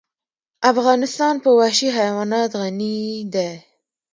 افغانستان په وحشي حیوانات غني دی.